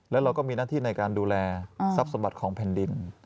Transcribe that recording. แล้วเราก็มีหน้าที่ในการดูแลทรัพย์สมบัติของแผ่นดิน